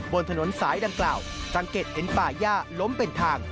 บนถนนสายดังกล่าวสังเกตเห็นป่าย่าล้มเป็นทาง